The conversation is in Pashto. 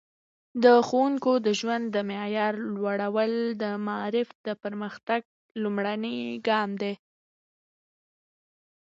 د ښوونکو د ژوند د معیار لوړول د معارف د پرمختګ لومړنی ګام دی.